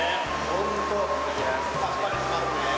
ほんとさっぱりしますね。